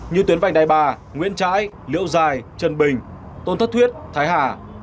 như tuyến vành đài bà nguyễn trãi liệu giài trần bình tôn thất thuyết thái hà